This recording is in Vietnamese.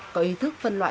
có ý thức phân loạn